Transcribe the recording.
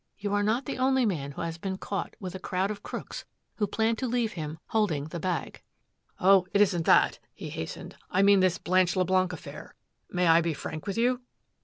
"You are not the only man who has been caught with a crowd of crooks who plan to leave him holding the bag." "Oh, it isn't that," he hastened, "I mean this Blanche Leblanc affair. May I be frank with you?"